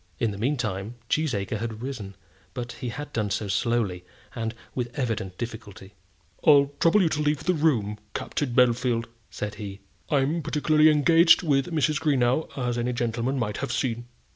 In the meantime Cheesacre had risen; but he had done so slowly, and with evident difficulty. "I'll trouble you to leave the room, Captain Bellfield," said he. "I'm particularly engaged with Mrs. Greenow, as any gentleman might have seen."